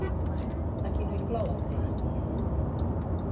A qui no inclou el text?